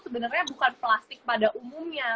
sebenarnya bukan plastik pada umumnya